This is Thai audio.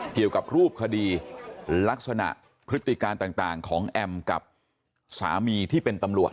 เกี่ยวกับรูปคดีลักษณะพฤติการต่างของแอมกับสามีที่เป็นตำรวจ